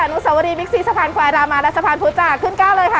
นุสวรีมิกซีสะพานควายรามาและสะพานภูจาขึ้นก้าวเลยค่ะ